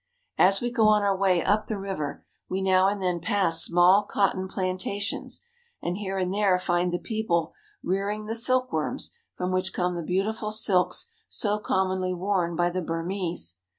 As we go on our way up the river, we now and then pass smalj cotton plantations, and here and there find the people rearing the silkworms from which come the beautiful silks so commonly worn by the Burmese.